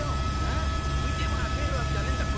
食いてえものが食えるわけじゃねえんだ。